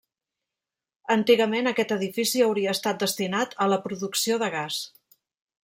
Antigament aquest edifici hauria estat destinat a la producció de gas.